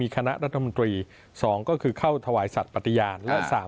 ๑คณะรัฐมนตรี๒เข้าถวายสัตว์ปฏิญาณ